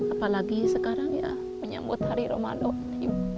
apalagi sekarang ya menyambut hari ramadan